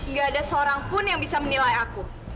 gak ada seorang pun yang bisa menilai aku